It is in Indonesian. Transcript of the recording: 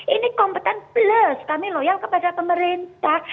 ini kompeten plus kami loyal kepada pemerintah